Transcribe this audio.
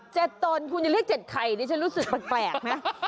ตนคุณจะเรียกเจ็ดไข่นี่ฉันรู้สึกแปลกนะ